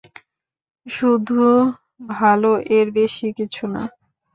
শুধু ভালো, এর বেশি কিছু না?